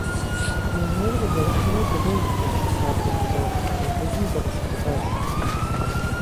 Дунейр къызэрыхъурэ дыгъэ зыщӀэмыпса бгъуэнщӀагъ куу кӀыфӀым дыкъыщыхутащ.